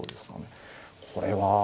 これは。